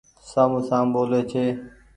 سامون سام ٻولي ڇي ۔